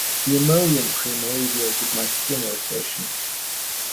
The emollient cream alleviated my skin irritation.